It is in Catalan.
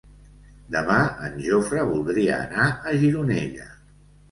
Demà en Jofre voldria anar a Gironella.